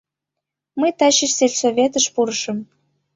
— Мый таче сельсоветыш пурышым.